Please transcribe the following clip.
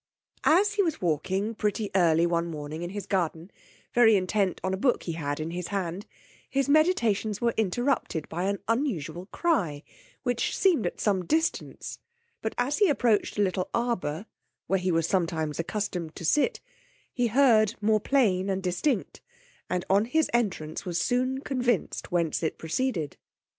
As he was walking pretty early one morning in his garden, very intent on a book he had in his hand, his meditations were interrupted by an unusual cry, which seemed at some distance; but as he approached a little arbour, where he was sometimes accustomed to sit, he heard more plain and distinct, and on his entrance was soon convinced whence it proceeded.